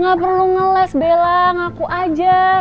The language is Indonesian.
gak perlu ngeles bella ngaku aja